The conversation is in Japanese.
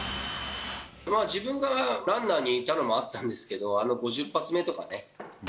自分がランナーにいたのもあったんですけど、あの５０発目とかね。